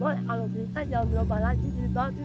boi kalo bisa jangan berubah lagi di babi